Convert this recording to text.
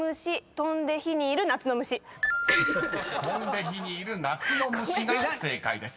［「飛んで火に入る夏の虫」が正解です］